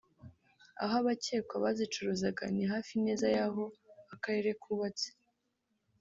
Aho abakekwa bazicuruzaga ni hafi neza y’aho akarere kubatse